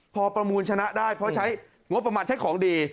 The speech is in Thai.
พอประมูลชนะได้เพราะใช้งบประมาณใช้ของดี